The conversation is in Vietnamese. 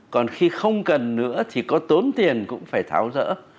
còn khi không cần nữa thì có tốn tiền cũng phải tháo rỡ